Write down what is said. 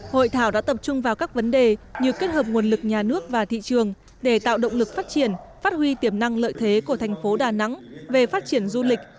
hội thảo đã tập trung vào các vấn đề như kết hợp nguồn lực nhà nước và thị trường để tạo động lực phát triển phát huy tiềm năng lợi thế của thành phố đà nẵng về phát triển du lịch